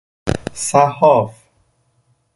صحاف